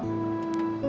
terima kasih tante